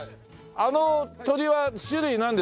あの鶏は種類なんですか？